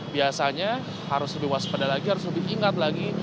biasanya harus lebih waspada lagi harus lebih ingat lagi